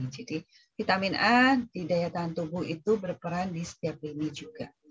jadi vitamin a di daya tahan tubuh itu berperan di setiap dini juga